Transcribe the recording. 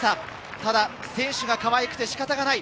ただ選手がかわいくて仕方がない。